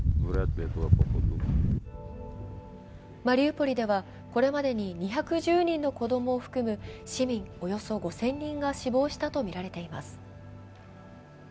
マリウポリではこれまでに２１０人の子供を含む市民およそ５０００人が死亡したとみられています。